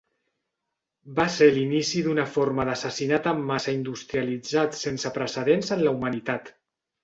Va ser l'inici d'una forma d'assassinat en massa industrialitzat sense precedents en la humanitat.